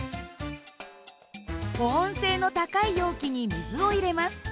保温性の高い容器に水を入れます。